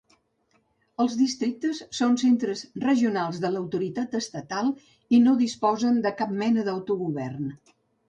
Els districtes són centres regionals de l'autoritat estatal i no disposen de cap mena d'autogovern.